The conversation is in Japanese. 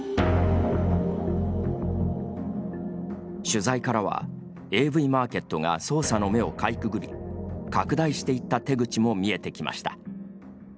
取材からは、ＡＶＭａｒｋｅｔが捜査の目をかいくぐり拡大していった手口も見えてきました。